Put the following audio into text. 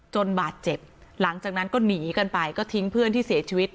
บาดเจ็บหลังจากนั้นก็หนีกันไปก็ทิ้งเพื่อนที่เสียชีวิต